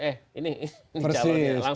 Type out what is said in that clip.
eh ini calonnya langsung